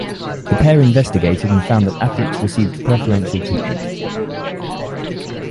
The pair investigated and found that athletes received preferential treatment.